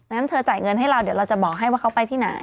งั้นเธอจ่ายเงินให้เราเดี๋ยวเราจะบอกให้ว่าเขาไปที่ไหน